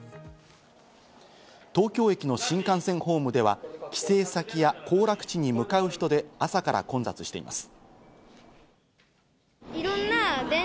東京駅の新幹線ホームでは、帰省先や行楽地に向かう人で朝から混雑しています。